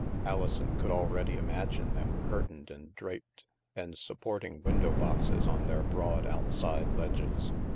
Alison could already imagine them curtained and 124 THE MASK draped, and supporting window boxes on their broad outside ledges.